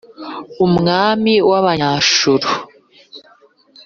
umwami w’Abanyashuru,